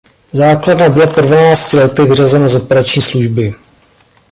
Základna byla po dvanácti letech vyřazena z operační služby.